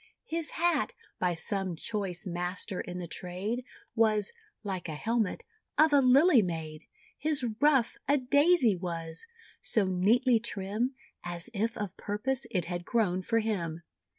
His hat, by some choice master in the trade, Was (like a helmet) of a Lily made. His ruff, a Daisy was, so neatly trim, As if of purpose it had grown for him.